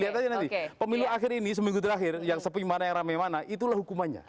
saya katakan nanti pemilu akhir ini seminggu terakhir yang sepimana yang ramai mana itulah hukumannya